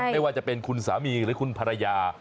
ไม่ว่าจะเป็นคุณสามีหรือคุณภรรยา